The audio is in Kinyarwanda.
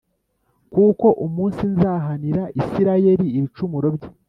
“Kuko umunsi nzahanira Isirayeli ibicumuro bye